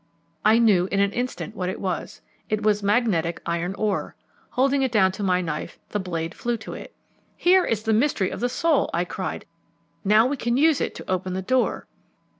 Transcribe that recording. I knew in an instant what it was. It was magnetic iron ore. Holding it down to my knife, the blade flew to it. "Here is the mystery of the soul," I cried; "now we can use it to open the door."